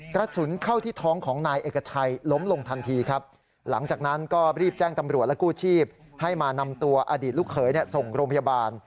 กระสุนเข้าที่ท้องของนายเอกชัยล้มลงทันทีครับ